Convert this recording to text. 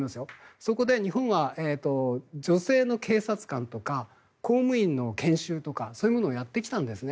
そこで日本は女性の警察官とか公務員の研修とかそういうものをやってきたんですね。